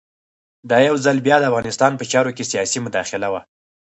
دا یو ځل بیا د افغانستان په چارو کې سیاسي مداخله وه.